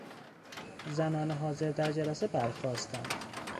زنان حاضر در جلسه برخاستند.